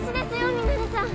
ミナレさん。